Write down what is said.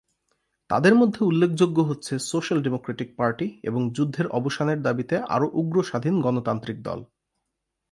তাদের মধ্যে উল্লেখযোগ্য হচ্ছে সোশাল ডেমোক্র্যাটিক পার্টি এবং যুদ্ধের অবসানের দাবিতে আরও উগ্র স্বাধীন গণতান্ত্রিক দল।